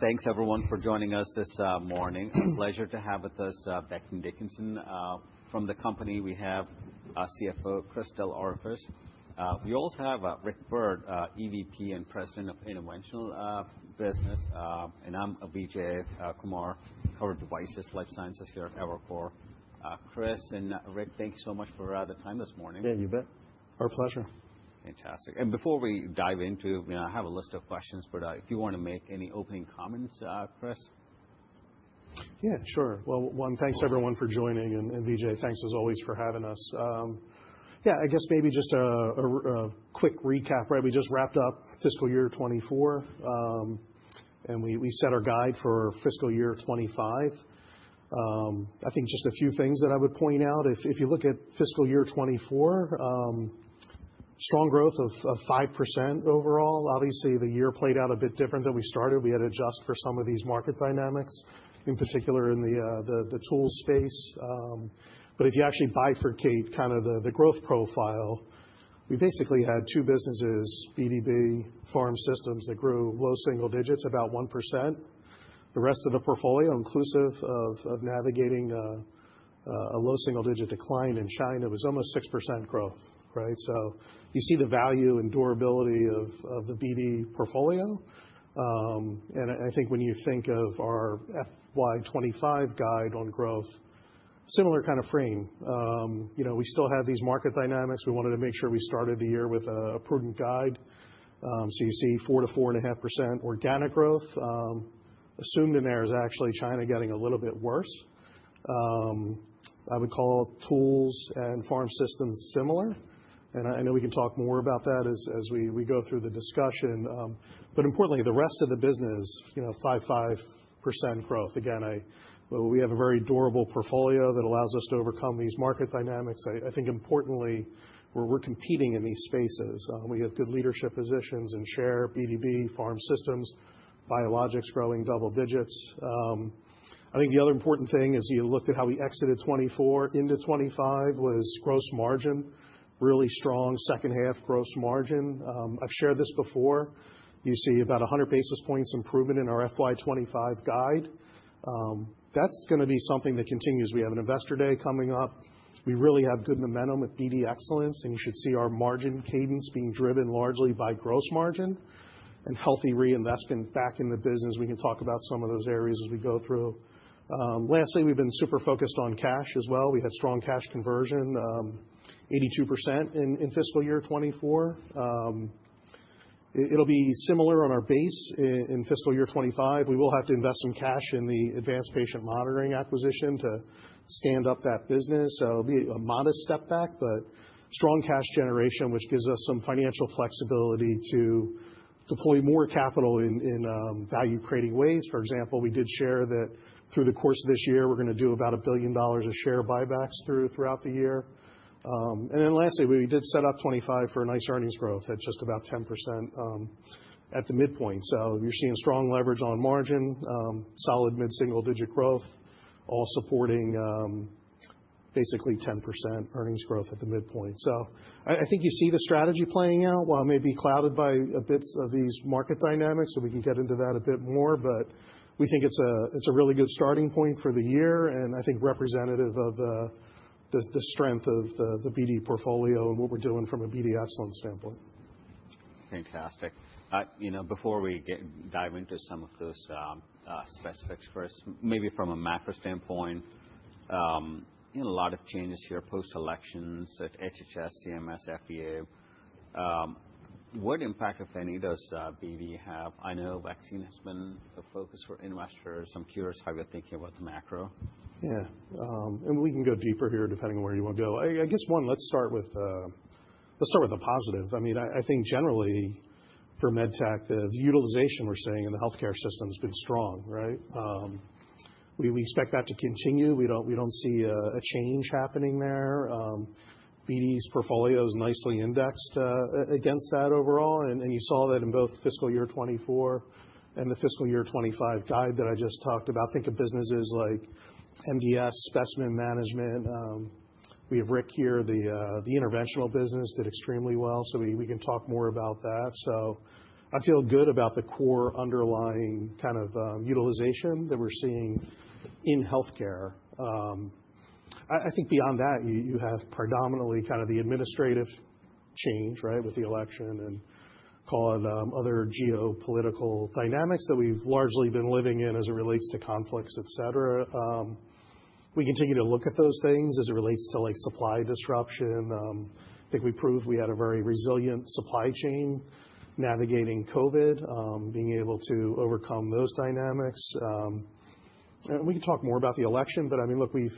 Thanks, everyone, for joining us this morning. It's a pleasure to have with us Becton Dickinson. From the company, we have CFO, Chris DelOrefice. We also have Rick Byrd, EVP and President of Interventional Business. And I'm Vijay Kumar, Covered Devices Life Sciences here at Evercore. Chris and Rick, thank you so much for the time this morning. Yeah, you bet. Our pleasure. Fantastic. And before we dive into, I have a list of questions, but if you want to make any opening comments, Chris? Yeah, sure. Well, one, thanks, everyone, for joining. And Vijay, thanks, as always, for having us. Yeah, I guess maybe just a quick recap. We just wrapped up fiscal year 2024, and we set our guide for fiscal year 2025. I think just a few things that I would point out. If you look at fiscal year 2024, strong growth of 5% overall. Obviously, the year played out a bit different than we started. We had to adjust for some of these market dynamics, in particular in the tools space. But if you actually bifurcate kind of the growth profile, we basically had two businesses, BDB, Pharm Systems, that grew low single digits, about 1%. The rest of the portfolio, inclusive of navigating a low single digit decline in China, was almost 6% growth. So you see the value and durability of the BD portfolio. I think when you think of our FY 2025 guide on growth, similar kind of frame. We still have these market dynamics. We wanted to make sure we started the year with a prudent guide. You see 4%-4.5% organic growth. Assumed in there is actually China getting a little bit worse. I would call tools and Pharm Systems similar. And I know we can talk more about that as we go through the discussion. Importantly, the rest of the business, 5%, 5% growth. Again, we have a very durable portfolio that allows us to overcome these market dynamics. I think importantly, we're competing in these spaces. We have good leadership positions in share, BDB, Pharm Systems, biologics growing double digits. I think the other important thing is you looked at how we exited 2024 into 2025 was gross margin, really strong second half gross margin. I've shared this before. You see about 100 basis points improvement in our FY 2025 guide. That's going to be something that continues. We have an Investor Day coming up. We really have good momentum with BD Excellence, and you should see our margin cadence being driven largely by gross margin and healthy reinvestment back in the business. We can talk about some of those areas as we go through. Lastly, we've been super focused on cash as well. We had strong cash conversion, 82% in fiscal year 2024. It'll be similar on our base in fiscal year 2025. We will have to invest some cash in the Advanced Patient Monitoring acquisition to stand up that business, so it'll be a modest step back, but strong cash generation, which gives us some financial flexibility to deploy more capital in value creating ways. For example, we did share that through the course of this year, we're going to do about $1 billion of share buybacks throughout the year, and then lastly, we did set up 2025 for a nice earnings growth at just about 10% at the midpoint, so you're seeing strong leverage on margin, solid mid-single-digit growth, all supporting basically 10% earnings growth at the midpoint, so I think you see the strategy playing out while maybe clouded by a bit of these market dynamics, so we can get into that a bit more, but we think it's a really good starting point for the year, and I think representative of the strength of the BD portfolio and what we're doing from a BD Excellence standpoint. Fantastic. Before we dive into some of those specifics first, maybe from a macro standpoint, a lot of changes here post-elections at HHS, CMS, FDA. What impact, if any, does BD have? I know vaccine has been a focus for investors. I'm curious how you're thinking about the macro. Yeah. And we can go deeper here depending on where you want to go. I guess one, let's start with a positive. I mean, I think generally for med tech, the utilization we're seeing in the healthcare system has been strong. We expect that to continue. We don't see a change happening there. BD's portfolio is nicely indexed against that overall. And you saw that in both fiscal year 2024 and the fiscal year 2025 guide that I just talked about. Think of businesses like MDS, specimen management. We have Rick here, the interventional business, did extremely well. So we can talk more about that. So I feel good about the core underlying kind of utilization that we're seeing in healthcare. I think beyond that, you have predominantly kind of the administrative change with the election and call it other geopolitical dynamics that we've largely been living in as it relates to conflicts, et cetera. We continue to look at those things as it relates to supply disruption. I think we proved we had a very resilient supply chain navigating COVID, being able to overcome those dynamics. And we can talk more about the election. But I mean, look, we've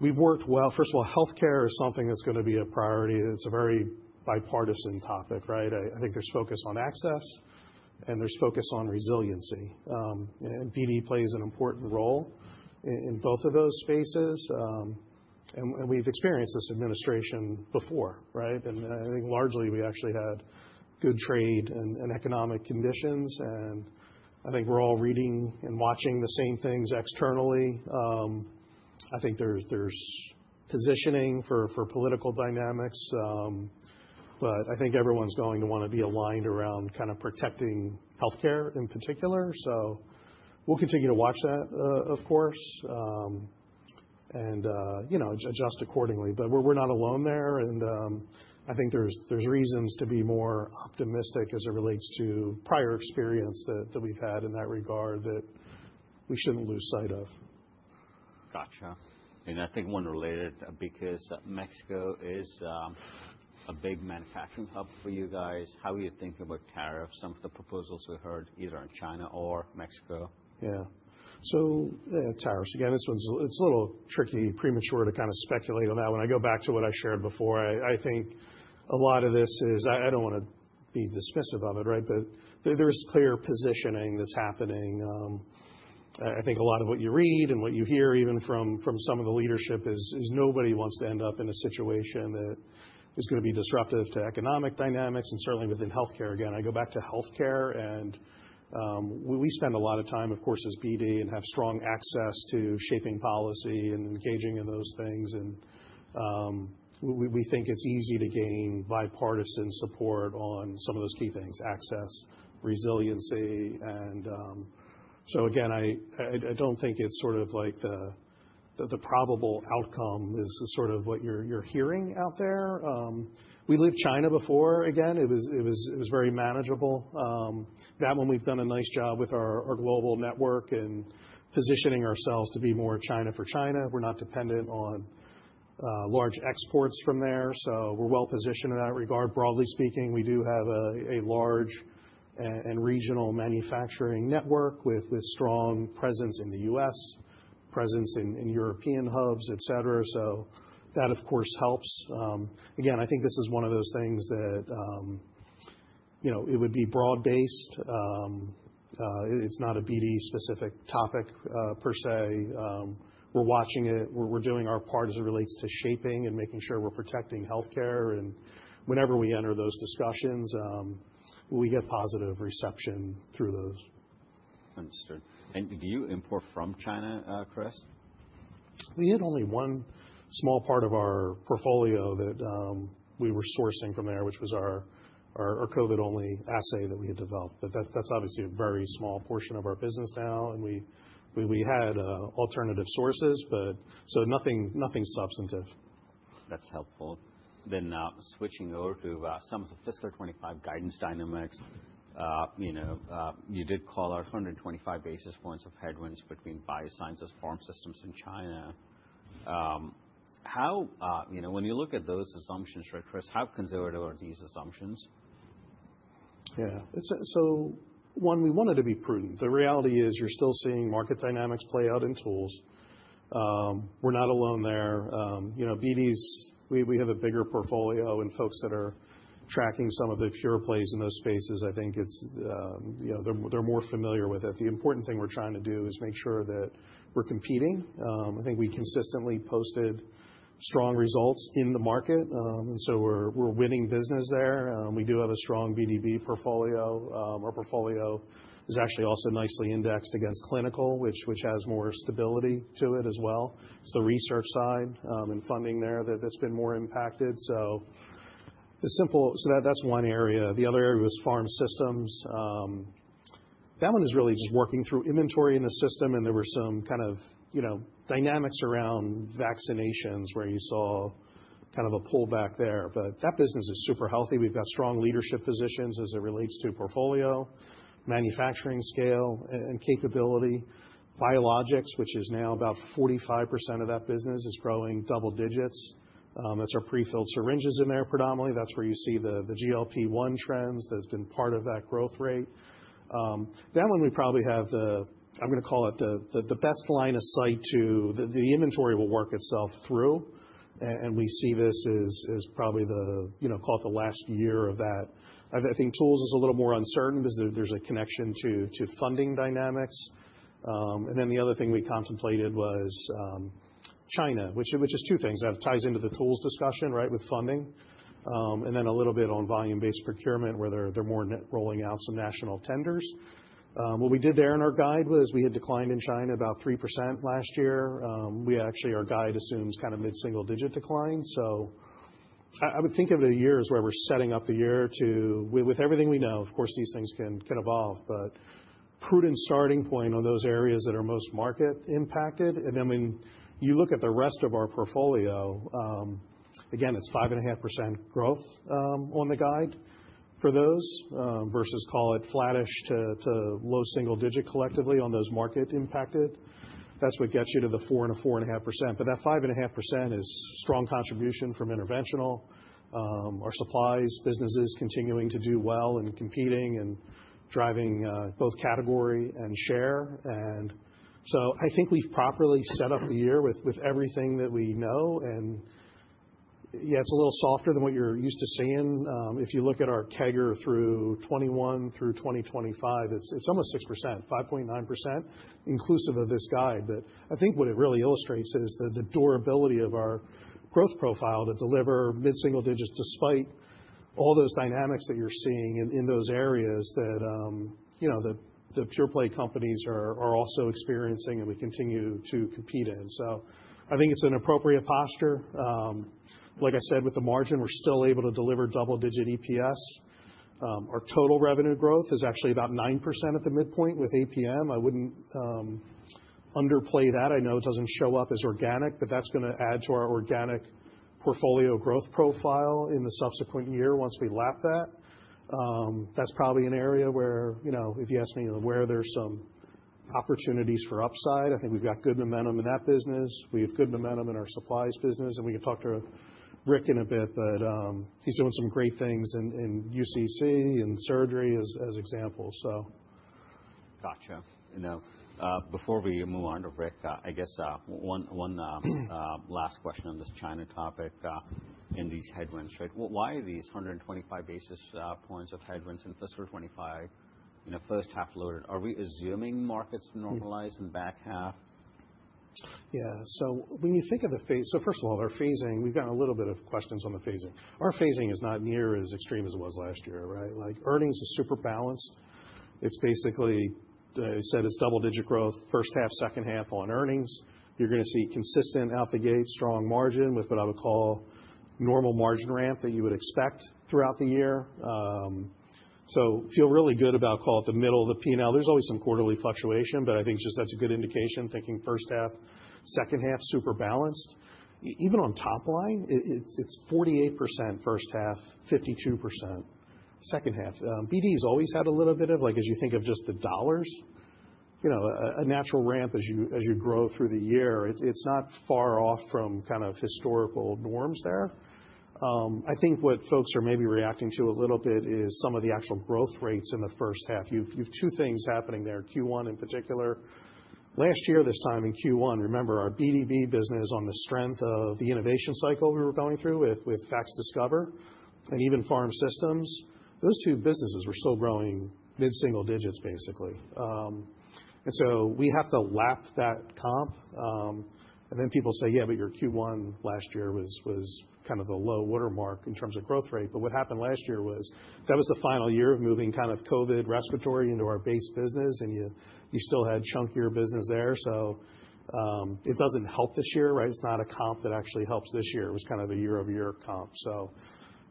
worked well. First of all, healthcare is something that's going to be a priority. It's a very bipartisan topic. I think there's focus on access, and there's focus on resiliency. And BD plays an important role in both of those spaces. And we've experienced this administration before. And I think largely we actually had good trade and economic conditions. And I think we're all reading and watching the same things externally. I think there's positioning for political dynamics. But I think everyone's going to want to be aligned around kind of protecting healthcare in particular. So we'll continue to watch that, of course, and adjust accordingly. But we're not alone there. And I think there's reasons to be more optimistic as it relates to prior experience that we've had in that regard that we shouldn't lose sight of. Gotcha. And I think one related, because Mexico is a big manufacturing hub for you guys. How are you thinking about tariffs, some of the proposals we heard either in China or Mexico? Yeah. So tariffs, again, it's a little tricky, premature to kind of speculate on that. When I go back to what I shared before, I think a lot of this is I don't want to be dismissive of it, but there is clear positioning that's happening. I think a lot of what you read and what you hear, even from some of the leadership, is nobody wants to end up in a situation that is going to be disruptive to economic dynamics and certainly within healthcare, again, I go back to healthcare and we spend a lot of time, of course, as BD and have strong access to shaping policy and engaging in those things and we think it's easy to gain bipartisan support on some of those key things, access, resiliency. And so again, I don't think it's sort of like the probable outcome is sort of what you're hearing out there. We lived China before. Again, it was very manageable. That one we've done a nice job with our global network and positioning ourselves to be more China for China. We're not dependent on large exports from there. So we're well positioned in that regard. Broadly speaking, we do have a large and regional manufacturing network with strong presence in the U.S., presence in European hubs, et cetera. So that, of course, helps. Again, I think this is one of those things that it would be broad-based. It's not a BD-specific topic per se. We're watching it. We're doing our part as it relates to shaping and making sure we're protecting healthcare. And whenever we enter those discussions, we get positive reception through those. Understood. Do you import from China, Chris? We had only one small part of our portfolio that we were sourcing from there, which was our COVID-only assay that we had developed. But that's obviously a very small portion of our business now. And we had alternative sources, but so nothing substantive. That's helpful. Then now switching over to some of the fiscal 2025 guidance dynamics. You did call out 125 basis points of headwinds between Biosciences, Pharm Systems, and China. When you look at those assumptions, Chris, how conservative are these assumptions? Yeah. So one, we wanted to be prudent. The reality is you're still seeing market dynamics play out in tools. We're not alone there. BD, we have a bigger portfolio and folks that are tracking some of the pure plays in those spaces. I think they're more familiar with it. The important thing we're trying to do is make sure that we're competing. I think we consistently posted strong results in the market. And so we're winning business there. We do have a strong BDB portfolio. Our portfolio is actually also nicely indexed against clinical, which has more stability to it as well. It's the research side and funding there that's been more impacted. So that's one area. The other area was Pharm Systems. That one is really just working through inventory in the system. There were some kind of dynamics around vaccinations where you saw kind of a pullback there. But that business is super healthy. We've got strong leadership positions as it relates to portfolio, manufacturing scale, and capability. Biologics, which is now about 45% of that business, is growing double digits. That's our prefilled syringes in there predominantly. That's where you see the GLP-1 trends that have been part of that growth rate. That one we probably have, I'm going to call it the best line of sight to the inventory will work itself through. And we see this as probably the, call it the last year of that. I think tools is a little more uncertain because there's a connection to funding dynamics. And then the other thing we contemplated was China, which is two things. That ties into the tools discussion with funding. And then a little bit on volume-based procurement where they're more rolling out some national tenders. What we did there in our guide was we had declined in China about 3% last year. We actually, our guide assumes kind of mid-single digit decline. So I would think of the year as where we're setting up the year to, with everything we know, of course, these things can evolve, but prudent starting point on those areas that are most market impacted. And then when you look at the rest of our portfolio, again, it's 5.5% growth on the guide for those versus call it flattish to low single digit collectively on those market impacted. That's what gets you to the 4% and 4.5%. But that 5.5% is strong contribution from interventional. Our supplies, businesses continuing to do well and competing and driving both category and share. And so I think we've properly set up the year with everything that we know. And yeah, it's a little softer than what you're used to seeing. If you look at our CAGR through 2021 through 2025, it's almost 6%, 5.9% inclusive of this guide. But I think what it really illustrates is the durability of our growth profile to deliver mid-single digits despite all those dynamics that you're seeing in those areas that the pure play companies are also experiencing and we continue to compete in. So I think it's an appropriate posture. Like I said, with the margin, we're still able to deliver double digit EPS. Our total revenue growth is actually about 9% at the midpoint with APM. I wouldn't underplay that. I know it doesn't show up as organic, but that's going to add to our organic portfolio growth profile in the subsequent year once we lap that. That's probably an area where if you ask me where there's some opportunities for upside. I think we've got good momentum in that business. We have good momentum in our supplies business, and we can talk to Rick in a bit, but he's doing some great things in UCC and surgery as examples. Gotcha. And before we move on to Rick, I guess one last question on this China topic and these headwinds. Why are these 125 basis points of headwinds in fiscal 2025, first half loaded? Are we assuming markets normalize in the back half? Yeah. So when you think of the phasing, so first of all, our phasing, we've got a little bit of questions on the phasing. Our phasing is not near as extreme as it was last year. Earnings is super balanced. It's basically said it's double-digit growth, first half, second half on earnings. You're going to see consistent out the gate, strong margin with what I would call normal margin ramp that you would expect throughout the year. So feel really good about call it the middle of the P&L. There's always some quarterly fluctuation, but I think just that's a good indication thinking first half, second half super balanced. Even on top line, it's 48% first half, 52% second half. BD has always had a little bit of, as you think of just the dollars, a natural ramp as you grow through the year. It's not far off from kind of historical norms there. I think what folks are maybe reacting to a little bit is some of the actual growth rates in the first half. You have two things happening there, Q1 in particular. Last year, this time in Q1, remember our BDB business on the strength of the innovation cycle we were going through with FACSDiscover and even Pharm Systems, those two businesses were still growing mid-single digits basically. And so we have to lap that comp. And then people say, yeah, but your Q1 last year was kind of the low watermark in terms of growth rate. But what happened last year was that was the final year of moving kind of COVID respiratory into our base business. And you still had chunkier business there. So it doesn't help this year. It's not a comp that actually helps this year. It was kind of a year-over-year comp. So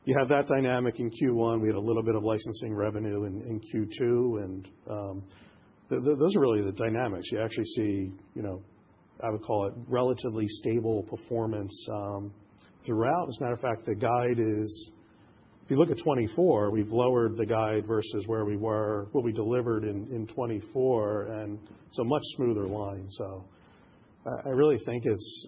you have that dynamic in Q1. We had a little bit of licensing revenue in Q2. And those are really the dynamics. You actually see, I would call it relatively stable performance throughout. As a matter of fact, the guide is, if you look at 2024, we've lowered the guide versus where we were, what we delivered in 2024, and it's a much smoother line. So I really think it's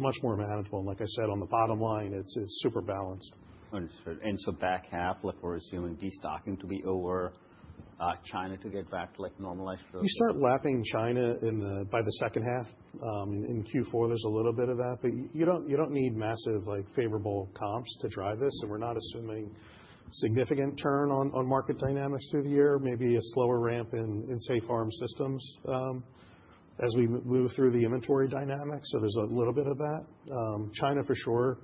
much more manageable. And like I said, on the bottom line, it's super balanced. Understood. And so back half, like we're assuming destocking to be over in China to get back to normalized growth. You start lapping China by the second half. In Q4, there's a little bit of that. But you don't need massive favorable comps to drive this. And we're not assuming significant turn on market dynamics through the year, maybe a slower ramp in, say, Pharm Systems as we move through the inventory dynamic. So there's a little bit of that. China for sure.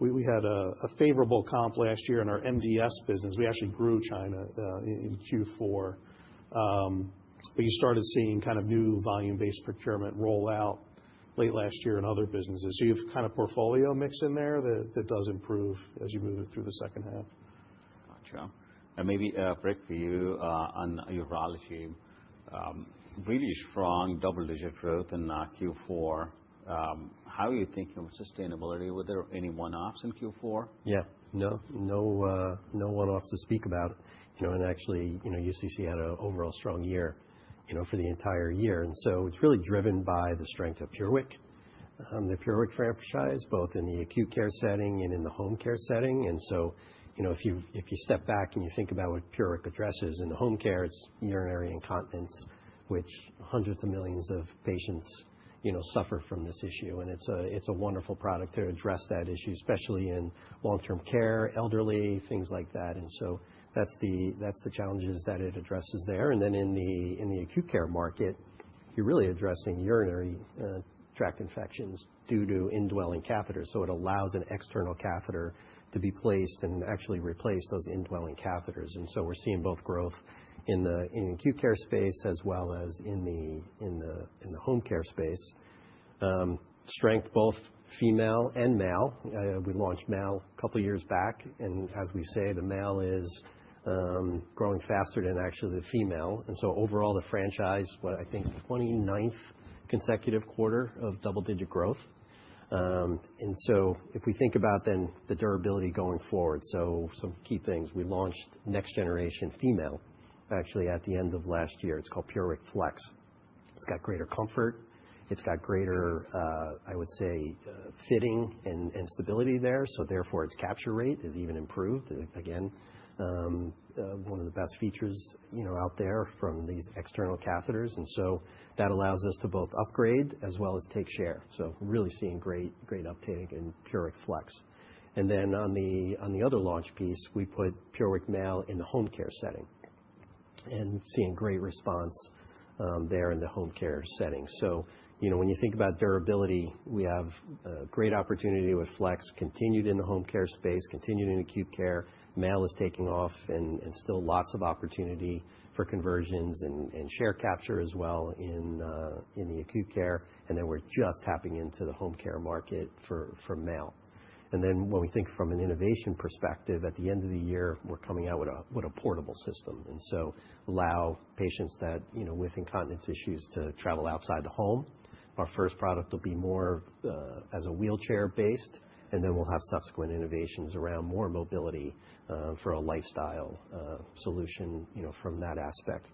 We had a favorable comp last year in our MDS business. We actually grew China in Q4. But you started seeing kind of new volume-based procurement roll out late last year in other businesses. So you have kind of portfolio mix in there that does improve as you move it through the second half. Gotcha. And maybe, Rick, for you on your relatively really strong double-digit growth in Q4. How are you thinking about sustainability? Were there any one-offs in Q4? Yeah. No one-offs to speak about. And actually, UCC had an overall strong year for the entire year. And so it's really driven by the strength of PureWick, the PureWick franchise, both in the acute care setting and in the home care setting. And so if you step back and you think about what PureWick addresses in the home care, it's urinary incontinence, which hundreds of millions of patients suffer from this issue. And it's a wonderful product to address that issue, especially in long-term care, elderly, things like that. And so that's the challenges that it addresses there. And then in the acute care market, you're really addressing urinary tract infections due to indwelling catheters. So it allows an external catheter to be placed and actually replace those indwelling catheters. And so we're seeing both growth in the acute care space as well as in the home care space. Strength both female and male. We launched male a couple of years back. And as we say, the male is growing faster than actually the female. And so overall, the franchise, what I think 29th consecutive quarter of double-digit growth. And so if we think about then the durability going forward, so some key things, we launched next generation female actually at the end of last year. It's called PureWick Flex. It's got greater comfort. It's got greater, I would say, fitting and stability there. So therefore, its capture rate has even improved. Again, one of the best features out there from these external catheters. And so that allows us to both upgrade as well as take share. So really seeing great uptake in PureWick Flex. And then, on the other launch piece, we put PureWick Male in the home care setting and seeing great response there in the home care setting. So, when you think about durability, we have great opportunity with Flex continued in the home care space, continued in acute care. Male is taking off and still lots of opportunity for conversions and share capture as well in the acute care. And then, we're just tapping into the home care market for Male. And then, when we think from an innovation perspective, at the end of the year, we're coming out with a portable system. And so allow patients with incontinence issues to travel outside the home. Our first product will be more as a wheelchair-based. And then, we'll have subsequent innovations around more mobility for a lifestyle solution from that aspect.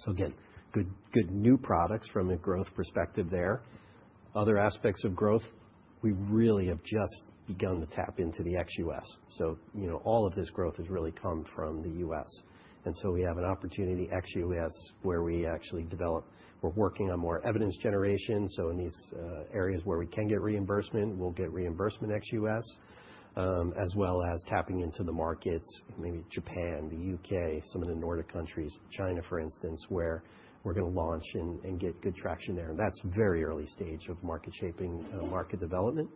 So again, good new products from a growth perspective there. Other aspects of growth, we really have just begun to tap into the ex-US. So all of this growth has really come from the US. We have an opportunity ex-US where we actually develop. We're working on more evidence generation. In these areas where we can get reimbursement, we'll get reimbursement ex-US, as well as tapping into the markets, maybe Japan, the U.K., some of the Nordic countries, China, for instance, where we're going to launch and get good traction there. That's very early stage of market shaping, market development.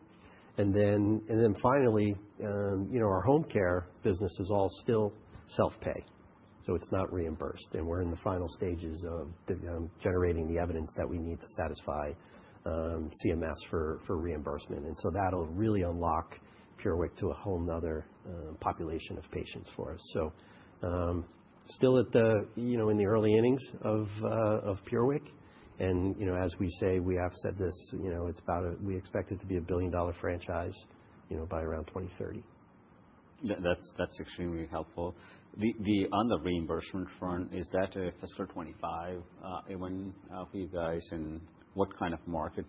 Our home care business is all still self-pay. It's not reimbursed. We're in the final stages of generating the evidence that we need to satisfy CMS for reimbursement. That'll really unlock PureWick to a whole another population of patients for us. Still in the early innings of PureWick. As we say, we have said this, we expect it to be a $1 billion franchise by around 2030. That's extremely helpful. On the reimbursement front, is that a fiscal 2025 even for you guys? And what kind of market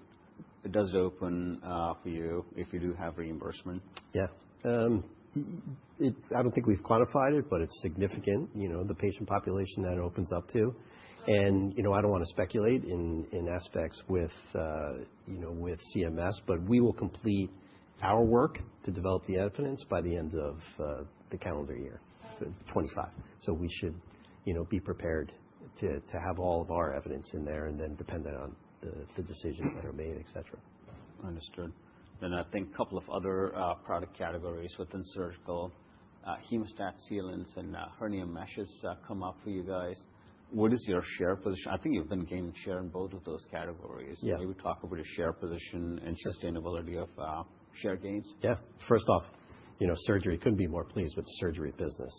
does it open for you if you do have reimbursement? Yeah. I don't think we've quantified it, but it's significant, the patient population that it opens up to, and I don't want to speculate in aspects with CMS, but we will complete our work to develop the evidence by the end of the calendar year 2025, so we should be prepared to have all of our evidence in there and then dependent on the decisions that are made, et cetera. Understood. Then I think a couple of other product categories within surgical, hemostat sealants and hernia meshes come up for you guys. What is your share position? I think you've been gaining share in both of those categories. Maybe talk about your share position and sustainability of share gains. Yeah. First off, surgery couldn't be more pleased with the surgery business.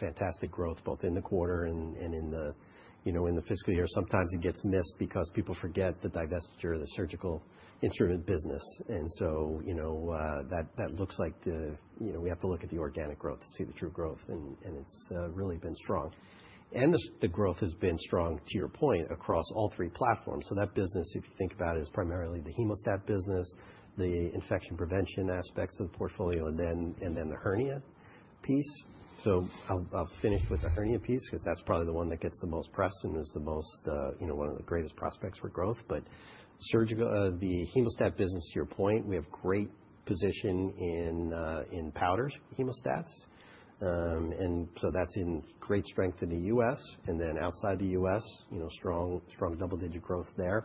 Fantastic growth both in the quarter and in the fiscal year. Sometimes it gets missed because people forget the divestiture of the surgical instrument business. And so that looks like we have to look at the organic growth to see the true growth. And it's really been strong. And the growth has been strong to your point across all three platforms. So that business, if you think about it, is primarily the hemostat business, the infection prevention aspects of the portfolio, and then the hernia piece. So I'll finish with the hernia piece because that's probably the one that gets the most pressed and is the most one of the greatest prospects for growth. But the hemostat business, to your point, we have great position in powdered hemostats. And so that's in great strength in the U.S. And then outside the U.S., strong double digit growth there.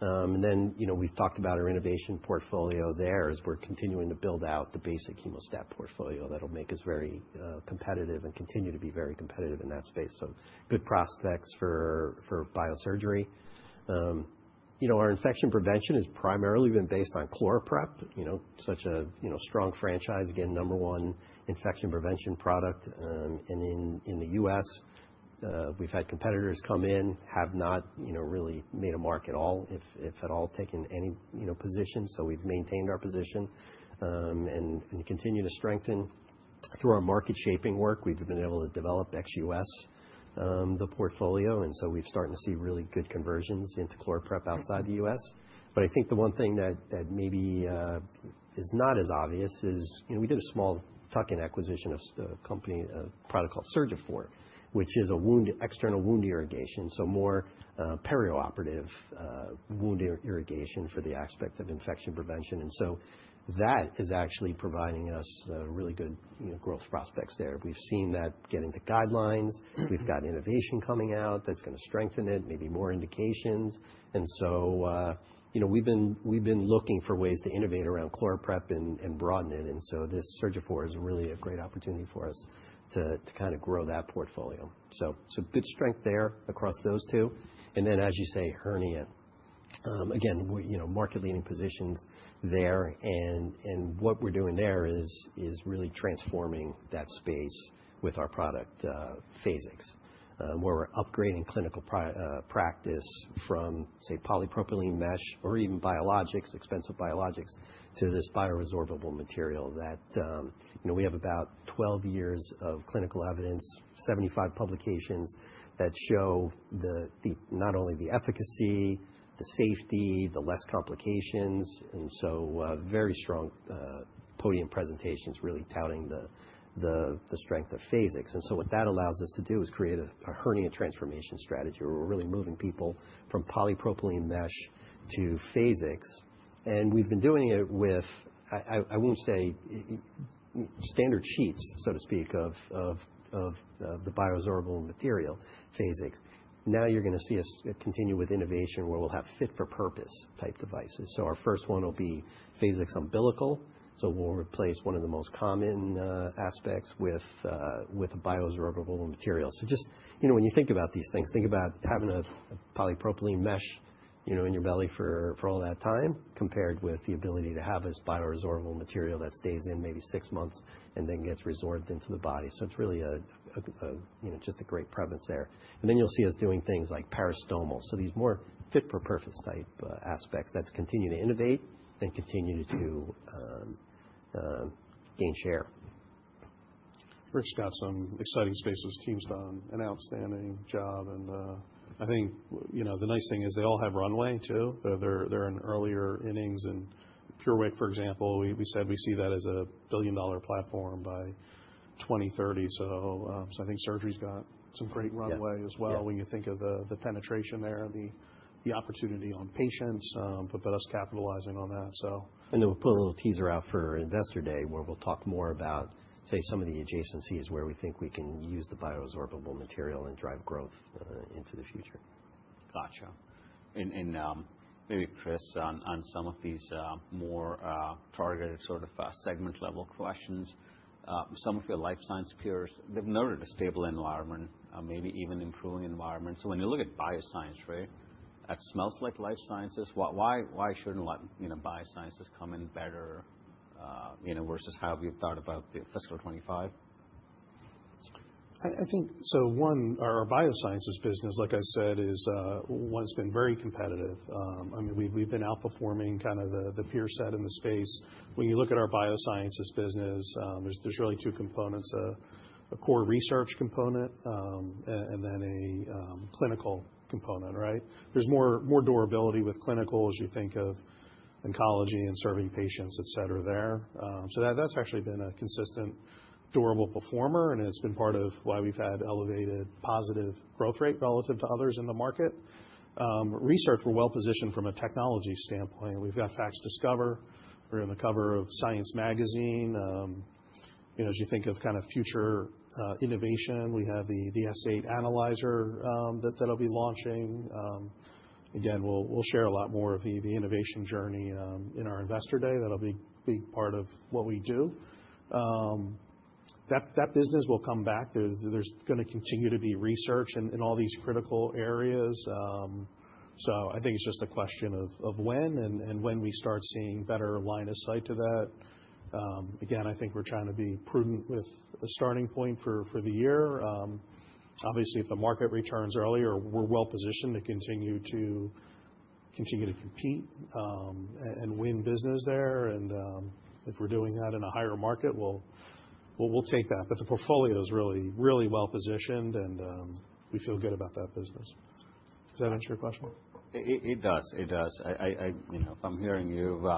And then we've talked about our innovation portfolio there as we're continuing to build out the basic hemostat portfolio that'll make us very competitive and continue to be very competitive in that space. So good prospects for biosurgery. Our infection prevention has primarily been based on ChloraPrep, such a strong franchise, again, number one infection prevention product. And in the U.S., we've had competitors come in, have not really made a mark at all, if at all, taken any position. So we've maintained our position and continue to strengthen through our market shaping work. We've been able to develop XUS, the portfolio. And so we've started to see really good conversions into ChloraPrep outside the U.S. But I think the one thing that maybe is not as obvious is we did a small tuck-in acquisition of a product called Surgiphor, which is a external wound irrigation, so more perioperative wound irrigation for the aspect of infection prevention. And so that is actually providing us really good growth prospects there. We've seen that getting to guidelines. We've got innovation coming out that's going to strengthen it, maybe more indications. And so we've been looking for ways to innovate around ChloraPrep and broaden it. And so this Surgiphor is really a great opportunity for us to kind of grow that portfolio. So good strength there across those two. And then, as you say, hernia. Again, market-leading positions there. What we're doing there is really transforming that space with our product, Phasix, where we're upgrading clinical practice from, say, polypropylene mesh or even biologics, expensive biologics, to this bioresorbable material that we have about 12 years of clinical evidence, 75 publications that show not only the efficacy, the safety, the less complications. Very strong podium presentations really touting the strength of Phasix allow us to create a hernia transformation strategy where we're really moving people from polypropylene mesh to Phasix. We've been doing it with, I won't say standard sheets, so to speak, of the bioresorbable material, Phasix. Now you're going to see us continue with innovation where we'll have fit-for-purpose type devices. Our first one will be Phasix umbilical. We'll replace one of the most common aspects with a bioresorbable material. So just when you think about these things, think about having a polypropylene mesh in your belly for all that time compared with the ability to have this bioresorbable material that stays in maybe six months and then gets resorbed into the body. So it's really just a great preference there. And then you'll see us doing things like peristomal. So these more fit-for-purpose type aspects that's continuing to innovate and continue to gain share. Rick's got some exciting spaces. Team's done an outstanding job. And I think the nice thing is they all have runway too. They're in earlier innings. And PureWick, for example, we said we see that as a $1 billion platform by 2030. So I think surgery's got some great runway as well when you think of the penetration there, the opportunity on patients, but us capitalizing on that. And then we'll put a little teaser out for Investor Day where we'll talk more about, say, some of the adjacencies where we think we can use the bioresorbable material and drive growth into the future. Gotcha. And maybe, Chris, on some of these more targeted sort of segment level questions, some of your life science peers, they've noted a stable environment, maybe even improving environment. So when you look at bioscience, right, that smells like life sciences. Why shouldn't Biosciences come in better versus how have you thought about the fiscal 2025? I think, so one, our Biosciences business, like I said, is one that's been very competitive. I mean, we've been outperforming kind of the peer set in the space. When you look at our Biosciences business, there's really two components, a core research component and then a clinical component, right? There's more durability with clinical as you think of oncology and serving patients, et cetera there. So that's actually been a consistent durable performer. And it's been part of why we've had elevated positive growth rate relative to others in the market. Research, we're well positioned from a technology standpoint. We've got FACSDiscover. We're in the cover of Science magazine. As you think of kind of future innovation, we have the S8 analyzer that'll be launching. Again, we'll share a lot more of the innovation journey in our Investor Day. That'll be a big part of what we do. That business will come back. There's going to continue to be research in all these critical areas. So I think it's just a question of when and when we start seeing better line of sight to that. Again, I think we're trying to be prudent with a starting point for the year. Obviously, if the market returns earlier, we're well positioned to continue to compete and win business there. And if we're doing that in a higher market, we'll take that. But the portfolio is really, really well positioned. And we feel good about that business. Does that answer your question? It does. It does. If I'm hearing you,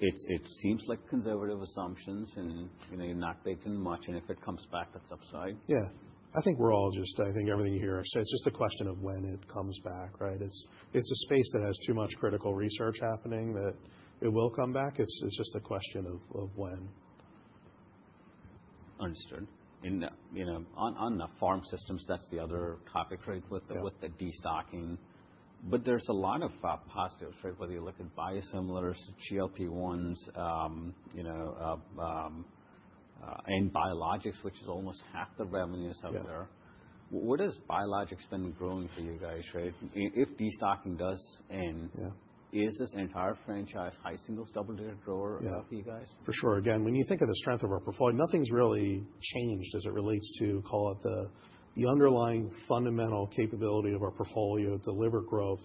it seems like conservative assumptions and you're not taking much, and if it comes back, that's upside. Yeah. I think we're all just. I think everything here, it's just a question of when it comes back, right? It's a space that has too much critical research happening that it will come back. It's just a question of when. Understood. On the Pharm Systems, that's the other topic, right, with the destocking. But there's a lot of positives, right? Whether you look at biosimilars, GLP-1s, and biologics, which is almost half the revenues out there. What has biologics been growing for you guys, right? If destocking does end, is this entire franchise high singles, double digit grower for you guys? For sure. Again, when you think of the strength of our portfolio, nothing's really changed as it relates to, call it the underlying fundamental capability of our portfolio to deliver growth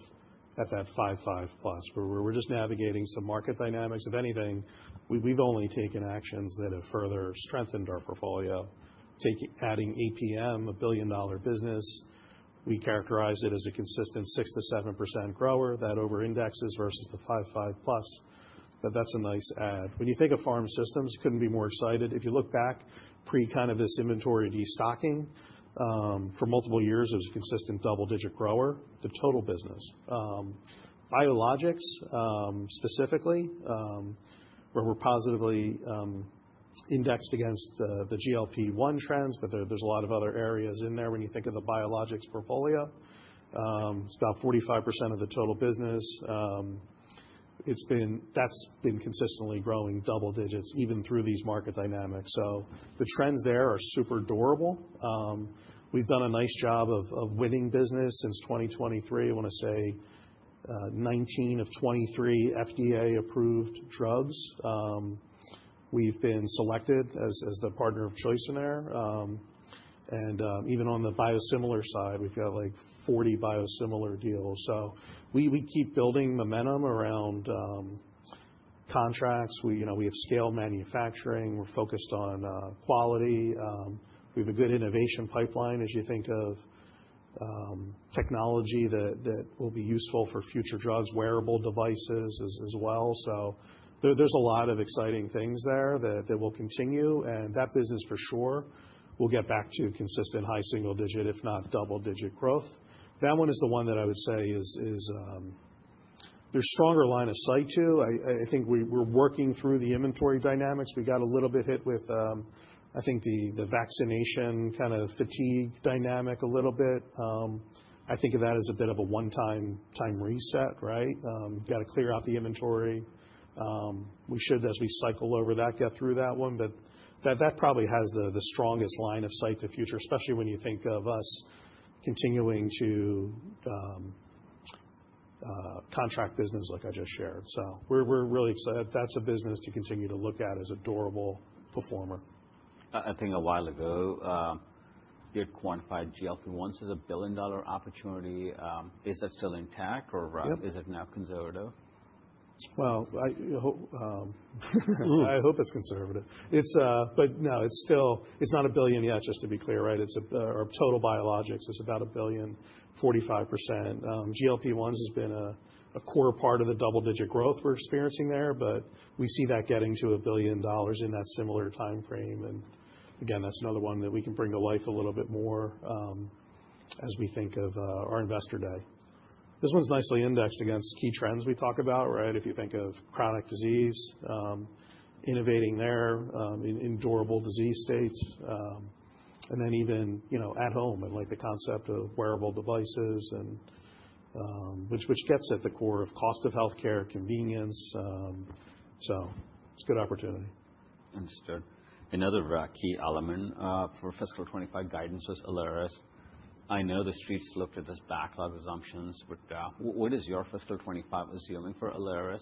at that 5.5+. We're just navigating some market dynamics. If anything, we've only taken actions that have further strengthened our portfolio, adding APM, a $1 billion business. We characterize it as a consistent 6%-7% grower that over-indexes versus the 5.5+. That's a nice add. When you think of Pharm Systems, couldn't be more excited. If you look back pre kind of this inventory destocking, for multiple years, it was a consistent double-digit grower, the total business. Biologics, specifically, where we're positively indexed against the GLP-1 trends, but there's a lot of other areas in there when you think of the biologics portfolio. It's about 45% of the total business. That's been consistently growing double digits, even through these market dynamics. So the trends there are super durable. We've done a nice job of winning business since 2023. I want to say 19 of 23 FDA approved drugs. We've been selected as the partner of choice in there. And even on the biosimilar side, we've got like 40 biosimilar deals. So we keep building momentum around contracts. We have scale manufacturing. We're focused on quality. We have a good innovation pipeline as you think of technology that will be useful for future drugs, wearable devices as well. So there's a lot of exciting things there that will continue. And that business, for sure, we'll get back to consistent high single digit, if not double digit growth. That one is the one that I would say is there's stronger line of sight too. I think we're working through the inventory dynamics. We got a little bit hit with, I think, the vaccination kind of fatigue dynamic a little bit. I think of that as a bit of a one-time reset, right? Got to clear out the inventory. We should, as we cycle over that, get through that one. But that probably has the strongest line of sight to future, especially when you think of us continuing to contract business, like I just shared. So we're really excited. That's a business to continue to look at as a durable performer. I think a while ago, you had quantified GLP-1s as a $1 billion opportunity. Is that still intact or is it now conservative? I hope it's conservative. No, it's not $1 billion yet, just to be clear, right? Our total biologics is about $1 billion, 45%. GLP-1s has been a core part of the double digit growth we're experiencing there. But we see that getting to $1 billion in that similar time frame. And again, that's another one that we can bring to life a little bit more as we think of our Investor Day. This one's nicely indexed against key trends we talk about, right? If you think of chronic disease, innovating there in durable disease states. And then even at home, I like the concept of wearable devices, which gets at the core of cost of healthcare, convenience. So it's a good opportunity. Understood. Another key element for fiscal 2025 guidance was Alaris. I know the streets looked at this backlog assumptions, but what is your fiscal 2025 assuming for Alaris?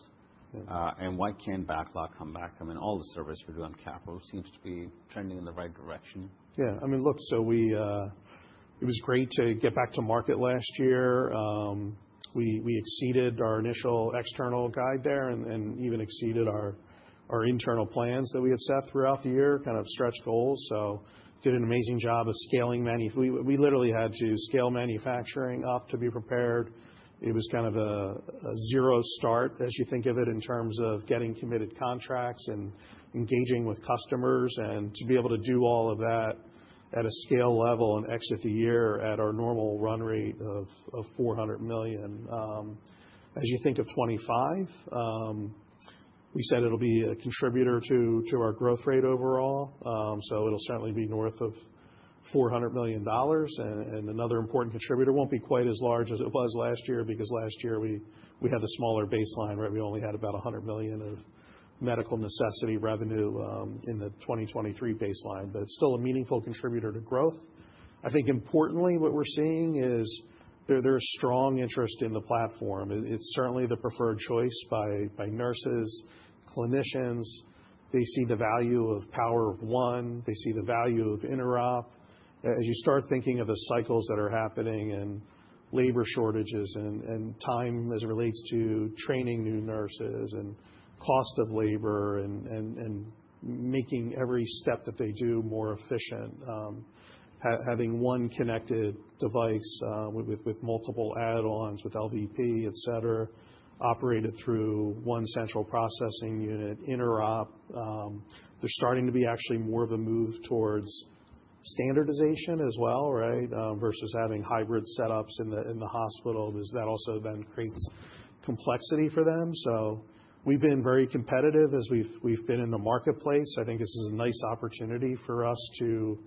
And why can't backlog come back? I mean, all the service we do on capital seems to be trending in the right direction. Yeah. I mean, look, so it was great to get back to market last year. We exceeded our initial external guide there and even exceeded our internal plans that we had set throughout the year, kind of stretch goals. So did an amazing job of scaling manufacturing. We literally had to scale manufacturing up to be prepared. It was kind of a zero start, as you think of it, in terms of getting committed contracts and engaging with customers and to be able to do all of that at a scale level and exit the year at our normal run rate of $400 million. As you think of 2025, we said it'll be a contributor to our growth rate overall. So it'll certainly be north of $400 million. And another important contributor won't be quite as large as it was last year because last year we had the smaller baseline, right? We only had about $100 million of medical necessity revenue in the 2023 baseline. But it's still a meaningful contributor to growth. I think importantly, what we're seeing is there is strong interest in the platform. It's certainly the preferred choice by nurses, clinicians. They see the value of power of one. They see the value of interop. As you start thinking of the cycles that are happening and labor shortages and time as it relates to training new nurses and cost of labor and making every step that they do more efficient, having one connected device with multiple add-ons with LVP, et cetera, operated through one central processing unit, interop. There's starting to be actually more of a move towards standardization as well, right? Versus having hybrid setups in the hospital. That also then creates complexity for them. So we've been very competitive as we've been in the marketplace. I think this is a nice opportunity for us to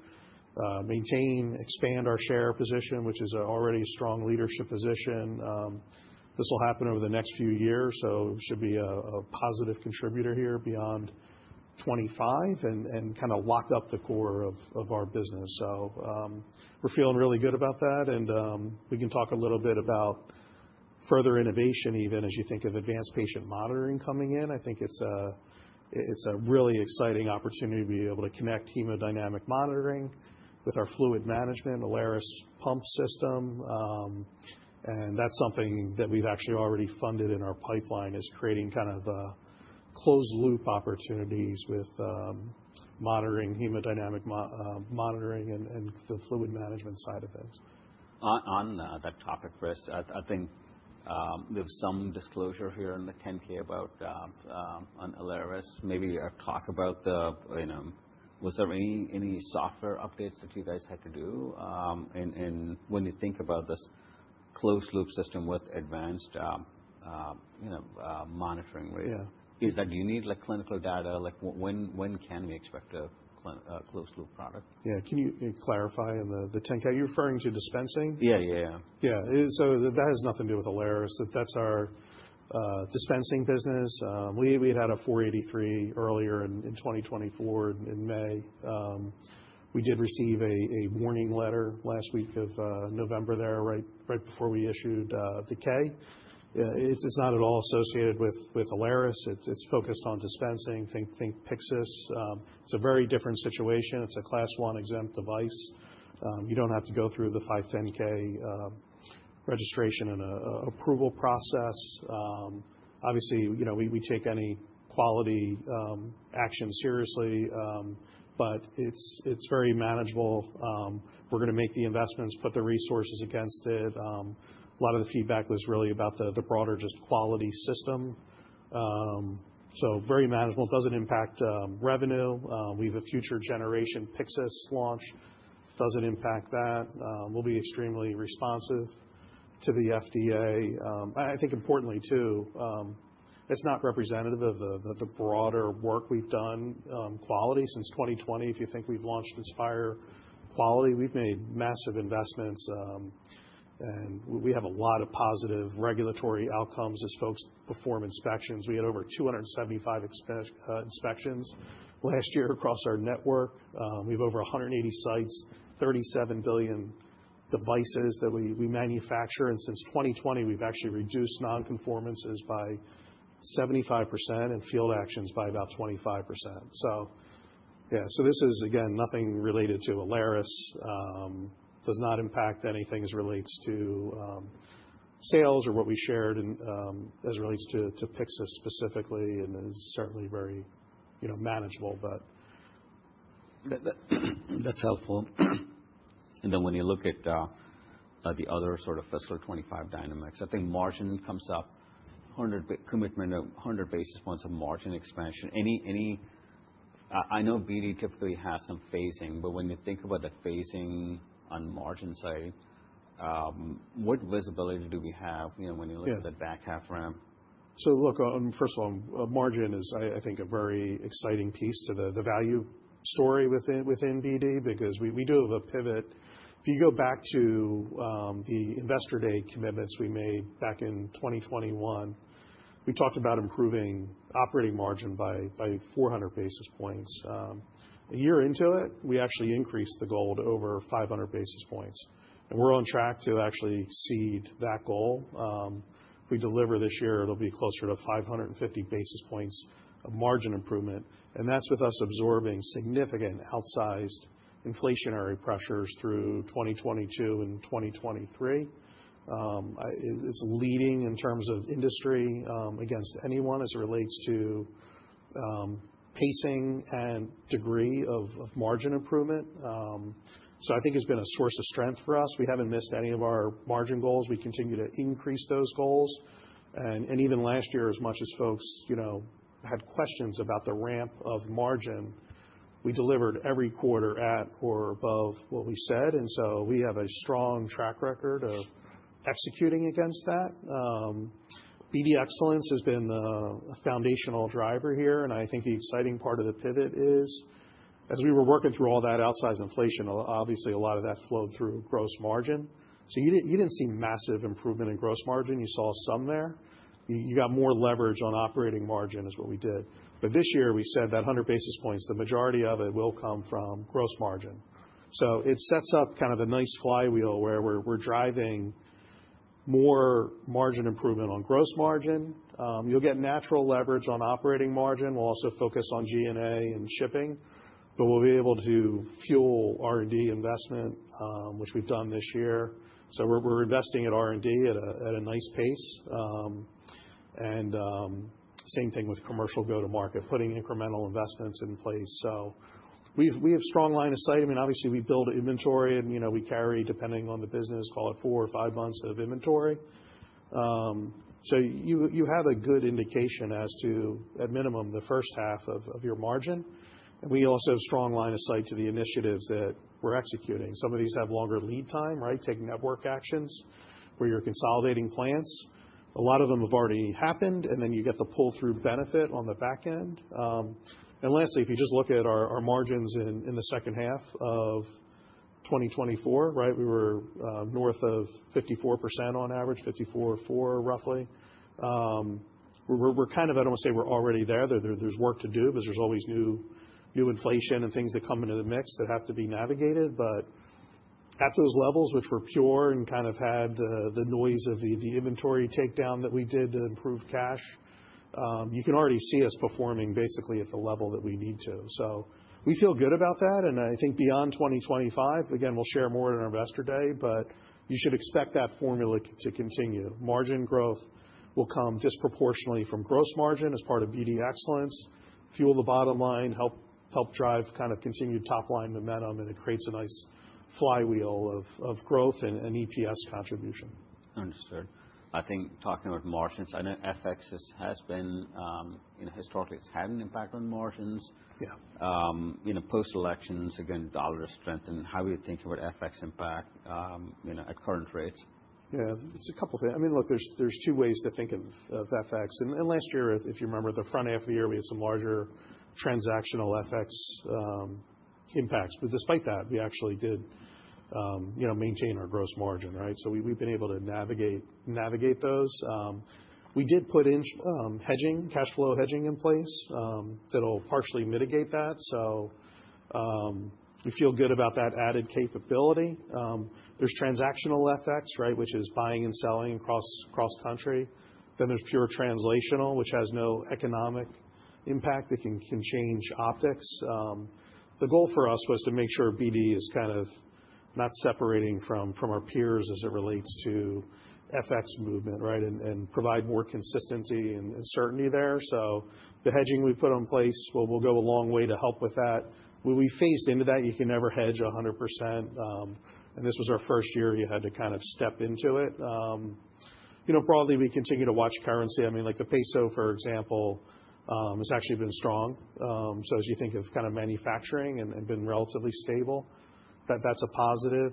maintain, expand our share position, which is already a strong leadership position. This will happen over the next few years. So it should be a positive contributor here beyond 2025 and kind of lock up the core of our business. So we're feeling really good about that. And we can talk a little bit about further innovation even as you think of advanced patient monitoring coming in. I think it's a really exciting opportunity to be able to connect hemodynamic monitoring with our fluid management, Alaris pump system. That's something that we've actually already funded in our pipeline is creating kind of closed loop opportunities with monitoring hemodynamic monitoring and the fluid management side of things. On that topic, Chris, I think we have some disclosure here in the 10-K about Alaris. Maybe talk about the, was there any software updates that you guys had to do? And when you think about this closed loop system with Advanced Patient Monitoring, is that you need clinical data? When can we expect a closed loop product? Yeah. Can you clarify the 10-K? Are you referring to dispensing? Yeah, yeah, yeah. Yeah. So that has nothing to do with Alaris. That's our dispensing business. We had had a 483 earlier in 2024 in May. We did receive a warning letter last week of November there, right before we issued the K. It's not at all associated with Alaris. It's focused on dispensing, think Pyxis. It's a very different situation. It's a class one exempt device. You don't have to go through the 510(k) registration and approval process. Obviously, we take any quality action seriously, but it's very manageable. We're going to make the investments, put the resources against it. A lot of the feedback was really about the broader just quality system. So very manageable. It doesn't impact revenue. We have a future generation Pyxis launch. It doesn't impact that. We'll be extremely responsive to the FDA. I think importantly too, it's not representative of the broader work we've done, quality since 2020. If you think we've launched Inspire Quality, we've made massive investments. We have a lot of positive regulatory outcomes as folks perform inspections. We had over 275 inspections last year across our network. We have over 180 sites, 37 billion devices that we manufacture. Since 2020, we've actually reduced non-conformances by 75% and field actions by about 25%. Yeah, so this is, again, nothing related to Alaris. It does not impact anything as it relates to sales or what we shared as it relates to Pyxis specifically and is certainly very manageable, but. That's helpful. And then when you look at the other sort of fiscal 2025 dynamics, I think margin comes up, commitment of 100 basis points of margin expansion. I know BD typically has some phasing, but when you think about the phasing on margin side, what visibility do we have when you look at the back half ramp? So look, first of all, margin is, I think, a very exciting piece to the value story within BD because we do have a pivot. If you go back to the Investor Day commitments we made back in 2021, we talked about improving operating margin by 400 basis points. A year into it, we actually increased the goal to over 500 basis points. And we're on track to actually exceed that goal. If we deliver this year, it'll be closer to 550 basis points of margin improvement. And that's with us absorbing significant outsized inflationary pressures through 2022 and 2023. It's leading in terms of industry against anyone as it relates to pacing and degree of margin improvement. So I think it's been a source of strength for us. We haven't missed any of our margin goals. We continue to increase those goals. Even last year, as much as folks had questions about the ramp of margin, we delivered every quarter at or above what we said. We have a strong track record of executing against that. BD Excellence has been the foundational driver here. I think the exciting part of the pivot is, as we were working through all that outsized inflation, obviously a lot of that flowed through gross margin. You didn't see massive improvement in gross margin. You saw some there. You got more leverage on operating margin is what we did. This year, we said that 100 basis points, the majority of it will come from gross margin. It sets up kind of a nice flywheel where we're driving more margin improvement on gross margin. You'll get natural leverage on operating margin. We'll also focus on G&A and shipping, but we'll be able to fuel R&D investment, which we've done this year. So we're investing at R&D at a nice pace. And same thing with commercial go-to-market, putting incremental investments in place. So we have a strong line of sight. I mean, obviously, we build inventory and we carry, depending on the business, call it four or five months of inventory. So you have a good indication as to, at minimum, the first half of your margin. And we also have a strong line of sight to the initiatives that we're executing. Some of these have longer lead time, right? Take network actions where you're consolidating plants. A lot of them have already happened and then you get the pull-through benefit on the back end. And lastly, if you just look at our margins in the second half of 2024, right? We were north of 54% on average, 54.4% roughly. We're kind of, I don't want to say we're already there. There's work to do because there's always new inflation and things that come into the mix that have to be navigated. But at those levels, which were prior and kind of had the noise of the inventory takedown that we did to improve cash, you can already see us performing basically at the level that we need to. So we feel good about that. I think beyond 2025, again, we'll share more in our Investor Day, but you should expect that formula to continue. Margin growth will come disproportionately from gross margin as part of BD Excellence, fuel the bottom line, help drive kind of continued top line momentum, and it creates a nice flywheel of growth and EPS contribution. Understood. I think, talking about margins, I know FX has been historically. It's had an impact on margins. Post-elections, again, dollar strengthen. How are you thinking about FX impact at current rates? Yeah, it's a couple of things. I mean, look, there's two ways to think of FX. And last year, if you remember, the front half of the year, we had some larger transactional FX impacts. But despite that, we actually did maintain our gross margin, right? So we've been able to navigate those. We did put in hedging, cash flow hedging in place that'll partially mitigate that. So we feel good about that added capability. There's transactional FX, right, which is buying and selling across country. Then there's pure translational, which has no economic impact. It can change optics. The goal for us was to make sure BD is kind of not separating from our peers as it relates to FX movement, right, and provide more consistency and certainty there. So the hedging we put in place, well, we'll go a long way to help with that. We phased into that. You can never hedge 100%, and this was our first year you had to kind of step into it. Broadly, we continue to watch currency. I mean, like the peso, for example, has actually been strong. So as you think of kind of manufacturing and been relatively stable, that's a positive.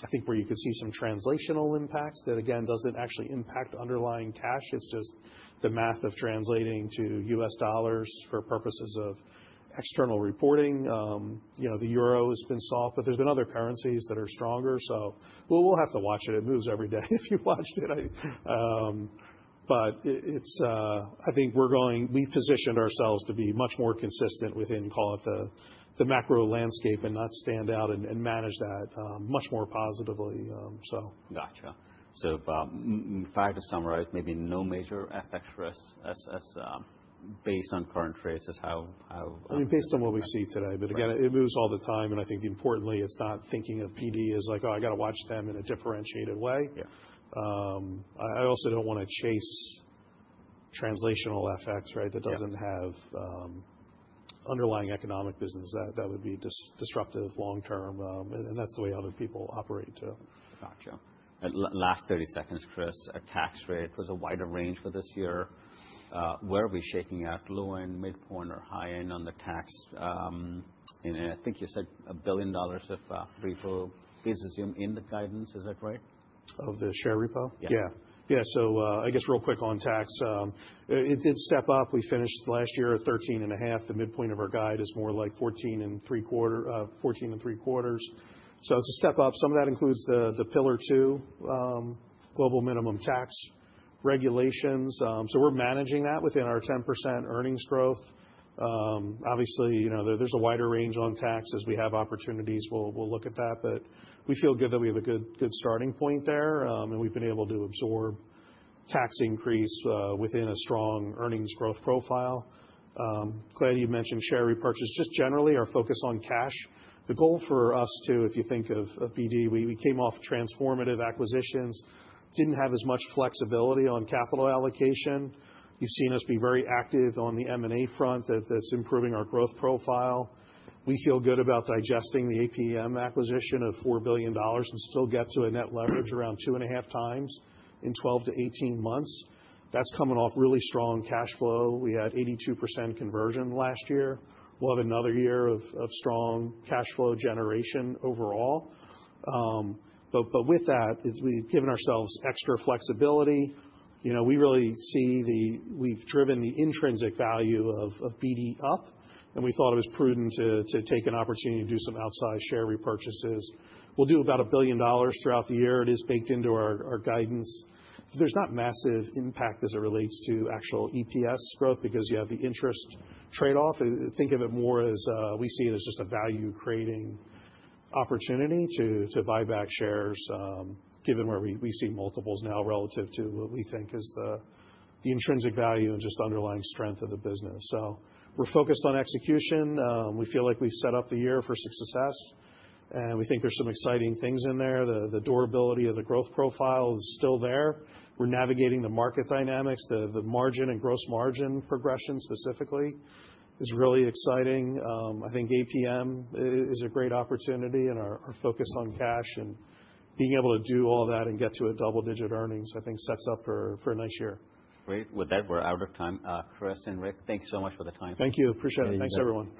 I think where you could see some translational impacts that, again, doesn't actually impact underlying cash. It's just the math of translating to U.S. dollars for purposes of external reporting. The euro has been soft, but there's been other currencies that are stronger. So we'll have to watch it. It moves every day if you watched it. But I think we're going, we've positioned ourselves to be much more consistent within, call it the macro landscape and not stand out and manage that much more positively, so. Gotcha. So if I had to summarize, maybe no major FX risk based on current rates is how. I mean, based on what we see today, but again, it moves all the time. And I think importantly, it's not thinking of BD as like, oh, I got to watch them in a differentiated way. I also don't want to chase translational FX, right? That doesn't have underlying economic business. That would be disruptive long term. And that's the way other people operate too. Gotcha. Last 30 seconds, Chris, a tax rate was a wider range for this year. Where are we shaking at? Low end, midpoint, or high end on the tax? And I think you said $1 billion of repo is assumed in the guidance. Is that right? Of the share repo? Yeah. Yeah. Yeah. So I guess real quick on tax, it did step up. We finished last year at 13.5%. The midpoint of our guide is more like 14.75%. So it's a step up. Some of that includes the Pillar Two global minimum tax regulations. So we're managing that within our 10% earnings growth. Obviously, there's a wider range on tax. As we have opportunities, we'll look at that. But we feel good that we have a good starting point there. And we've been able to absorb tax increase within a strong earnings growth profile. Claire, you mentioned share repurchase. Just generally, our focus on cash. The goal for us too, if you think of BD, we came off transformative acquisitions, didn't have as much flexibility on capital allocation. You've seen us be very active on the M&A front that's improving our growth profile. We feel good about digesting the APM acquisition of $4 billion and still get to a net leverage around two and a half times in 12-18 months. That's coming off really strong cash flow. We had 82% conversion last year. We'll have another year of strong cash flow generation overall. But with that, we've given ourselves extra flexibility. We really see we've driven the intrinsic value of BD up, and we thought it was prudent to take an opportunity to do some outsized share repurchases. We'll do about $1 billion throughout the year. It is baked into our guidance. There's not massive impact as it relates to actual EPS growth because you have the interest trade-off. Think of it more as we see it as just a value-creating opportunity to buy back shares, given where we see multiples now relative to what we think is the intrinsic value and just underlying strength of the business. So we're focused on execution. We feel like we've set up the year for success, and we think there's some exciting things in there. The durability of the growth profile is still there. We're navigating the market dynamics. The margin and gross margin progression specifically is really exciting. I think APM is a great opportunity and our focus on cash and being able to do all that and get to a double-digit earnings, I think sets up for a nice year. Great. With that, we're out of time. Chris and Rick, thank you so much for the time. Thank you. Appreciate it. Thanks, everyone.